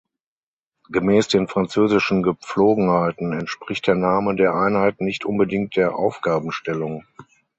Gemäß den französischen Gepflogenheiten entspricht der Name der Einheit nicht unbedingt der Aufgabenstellung.